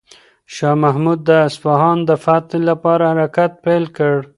شاه محمود د اصفهان د فتح لپاره حرکت پیل کړ.